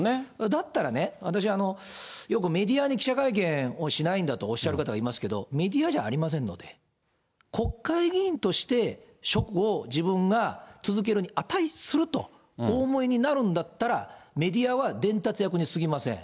だったらね、私、よくメディアに記者会見をしないんだとおっしゃる方いますけど、メディアじゃありませんので、国会議員として職を自分が続けるに値するとお思いになるんだったら、メディアは伝達役にすぎません。